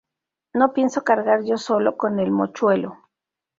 No pienso cargar yo solo con el mochuelo